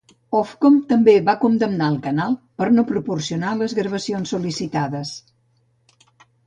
Ofcom també va condemnar el canal per no proporcionar les gravacions sol·licitades.